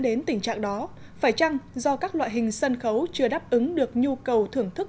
đến tình trạng đó phải chăng do các loại hình sân khấu chưa đáp ứng được nhu cầu thưởng thức